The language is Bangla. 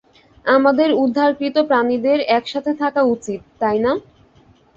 আমাদের, উদ্ধারকৃত প্রাণীদের, একসাথে থাকা উচিত, তাই না?